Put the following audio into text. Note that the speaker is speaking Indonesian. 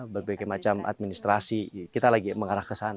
berbagai macam administrasi kita lagi mengarah ke sana